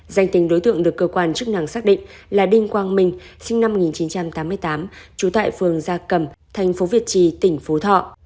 danh tính đối tượng được cơ quan chức năng xác định là đinh quang minh sinh năm một nghìn chín trăm tám mươi tám trú tại phường gia cầm thành phố việt trì tỉnh phú thọ